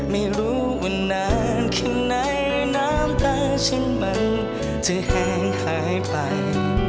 ไม่รู้มันนานแค่ไหนน้ำตาฉันมันจะแห้งหายไป